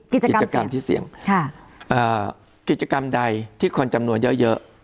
กิจกรรมที่เสี่ยงอ่ากิจกรรมใดที่คนจำนวนเยอะเยอะ